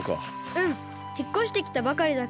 うん。ひっこしてきたばかりだけど。